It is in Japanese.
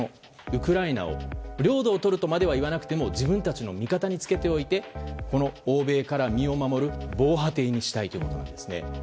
ウクライナを領土を取るとまでは言わないでも自分たちの味方につけておいて欧米から身を守る防波堤にしたいということなんです。